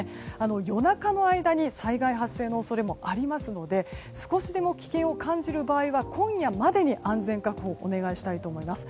夜中の間に災害発生の恐れもありますので、少しでも危険を感じる場合は今夜までに安全確保をお願いしたいと思います。